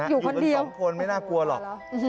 อยู่คนเดียวอยู่กันสองคนไม่น่ากลัวหรอก